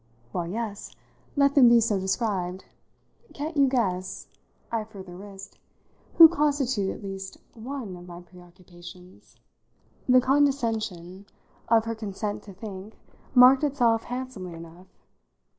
"Well, yes let them be so described! Can't you guess," I further risked, "who constitutes at least one of my preoccupations?" The condescension of her consent to think marked itself handsomely enough.